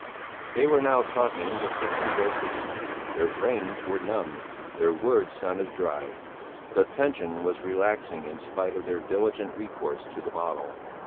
They were now talking with hissing voices; their brains were numbed; their words sounded dry, the tension was relaxing in spite of their diligent recourse to the bottle.